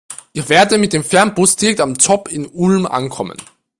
Ich werde mit dem Fernbus direkt am ZOB in Ulm ankommen.